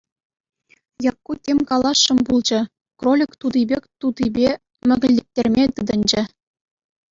Якку тем каласшӑн пулчӗ, кролик тути пек тутипе мӗкӗлтеттерме тытӑнчӗ.